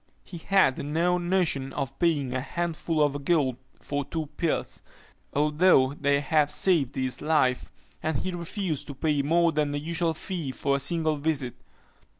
He had no notion of paying a handful of gold for two pills, although they had saved his life, and he refused to pay more than the usual fee for a single visit.